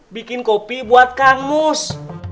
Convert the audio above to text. bikin kopi buat kang mus